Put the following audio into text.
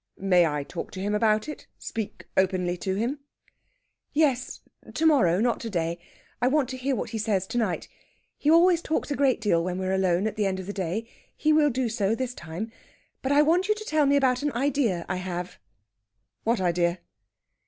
"May I talk to him about it? speak openly to him?" "Yes; to morrow, not to day. I want to hear what he says to night. He always talks a great deal when we're alone at the end of the day. He will do so this time. But I want you to tell me about an idea I have." "What idea?"